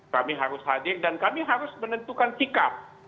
kami harus hadir dan kami harus menentukan sikap